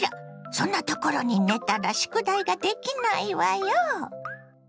そんなところに寝たら宿題ができないわよ。